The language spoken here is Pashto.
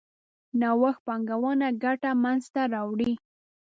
نوښت پانګونه ګټه منځ ته راوړي.